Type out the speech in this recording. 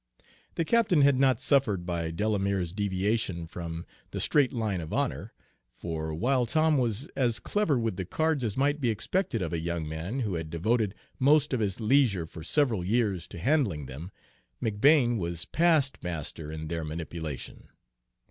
The captain had not suffered by Delamere's deviation from the straight line of honor, for while Tom was as clever with the cards as might be expected of a young man who had devoted most of his leisure for several years to handling them, McBane was past master in their manipulation.